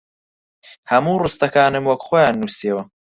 هەموو ڕستەکانم وەک خۆیان نووسییەوە